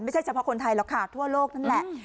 เฉพาะคนไทยหรอกค่ะทั่วโลกนั่นแหละ